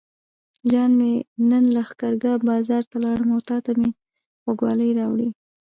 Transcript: جان مې نن لښکرګاه بازار ته لاړم او تاته مې غوږوالۍ راوړې.